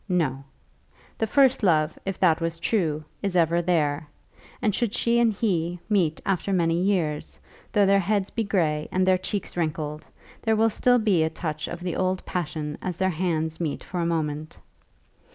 No; the first love, if that was true, is ever there; and should she and he meet after many years, though their heads be gray and their cheeks wrinkled, there will still be a touch of the old passion as their hands meet for a moment.